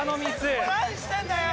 もう何してんだよ！